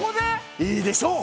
いいでしょう！